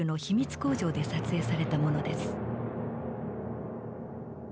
工場で撮影されたものです。